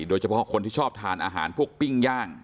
โดยเฉพาะคนที่ชอบทานอาหารพวกปิ้งย่าง